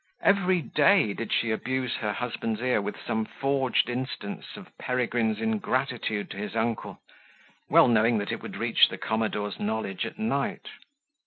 Every day, did she abuse her husband's ear with some forged instance of Peregrine's ingratitude to his uncle, well knowing that it would reach the commodore's knowledge at night.